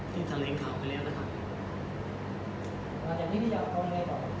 ที่ทะเลงข่าวไปแล้วนะครับ